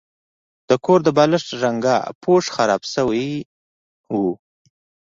د کور د بالښت رنګه پوښ خراب شوی و.